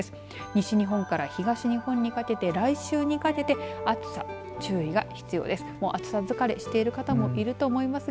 西日本から東日本にかけて来週にかけて暑さ、注意が必要です。